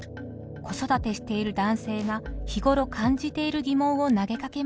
子育てしている男性が日頃感じている疑問を投げかけました。